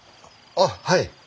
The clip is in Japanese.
あっはい。